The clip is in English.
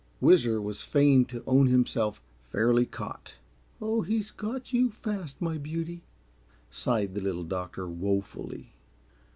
Whizzer was fain to own himself fairly caught. "Oh, he's got you fast, my beauty!" sighed the Little Doctor, woefully.